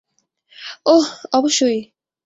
ওহ, অবশ্যই!